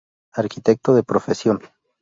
Arquitecto de profesión.